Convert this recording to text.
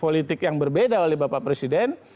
politik yang berbeda oleh bapak presiden